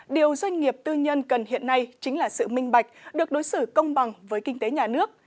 điều doanh nghiệp tư nhân cần hiện nay chính là sự minh bạch được đối xử công bằng với kinh tế nhà nước